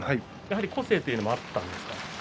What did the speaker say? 個性というのもあったんですか？